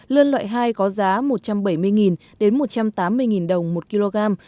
lươn loại hai có giá một trăm bảy mươi một trăm tám mươi đồng một kg